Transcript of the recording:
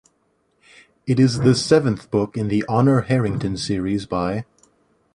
It is the seventh book in the Honor Harrington series by.